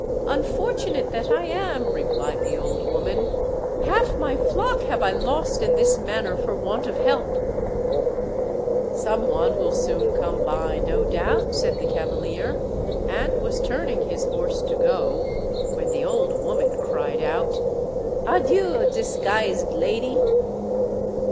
"Un fortunate that I am," replied the old woman, "half my flock have I lost in this manner for want of help." "Some one will soon come by, no doubt," said the cavalier; and was turning his horse to go, when the old woman cried out: "Adieu, disguised lady!"